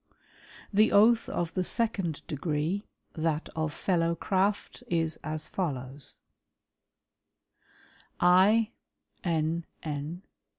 The oath of the second degree, that of Fellow Craft, is as follows ;—" I, IN". N.